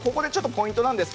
ポイントです。